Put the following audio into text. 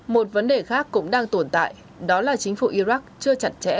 một vấn đề khác cũng đang tồn tại đó là chính phủ iraq chưa chặt chẽ